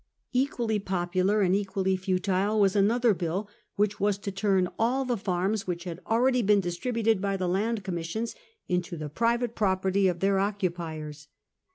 Equally popular and equally futile was another bill, which was to turn all the farms which had already been distributed by the Land Commission into the private property of their occupiers.